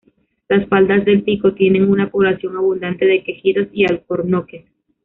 Las faldas del pico tienen una población abundante de quejigos y alcornoques.